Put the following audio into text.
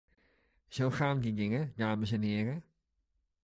Zo gaan die dingen, dames en heren.